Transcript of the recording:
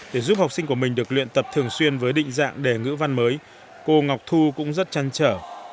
để giúp học sinh của mình được luyện tập thường xuyên với định dạng đề ngữ văn mới cô ngọc thu cũng rất chăn trở